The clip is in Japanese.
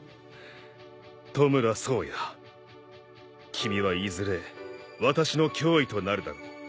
君はいずれ私の脅威となるだろう。